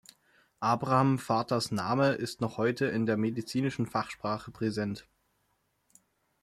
Abraham Vaters Name ist noch heute in der medizinischen Fachsprache präsent.